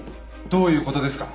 どういうことですか？